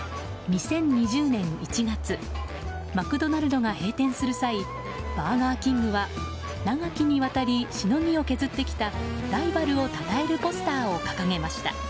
２０２０年１月マクドナルドが閉店する際バーガーキングは長きにわたりしのぎを削ってきたライバルをたたえるポスターを掲げました。